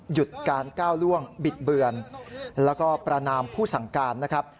หยุดการก้าวล่วงบิดเบือนแล้วก็ประนามผู้สั่งการนะครับ